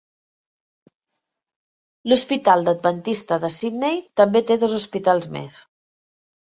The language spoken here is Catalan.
L'Hospital Adventista de Sydney també té dos hospitals més.